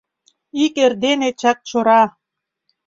Ик эрдене Чакчора —